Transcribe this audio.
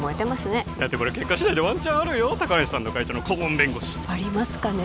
ねだってこれ結果しだいでワンチャンあるよ高梨さんの会社の顧問弁護士ありますかね？